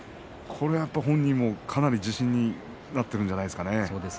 これは本人もかなり自信になっているんじゃないですかね。